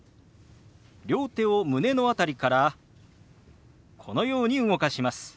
両手を胸の辺りからこのように動かします。